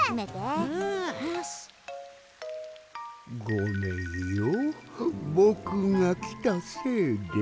ごめんよぼくがきたせいで。